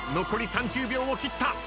残り３０秒を切った。